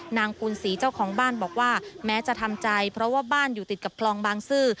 นางปูนศรีเจ้าของบ้านบอกว่าแม้จะทำใจเพราะว่าบ้านอยู่ติดกับคลองบางซื่อ